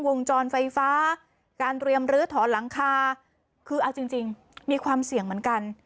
วงจรไฟฟ้าการเตรียมลื้อถอนหลังคาคือเอาจริงจริงมีความเสี่ยงเหมือนกัน